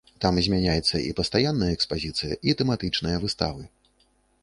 Там змяняецца і пастаянная экспазіцыя, і тэматычныя выставы.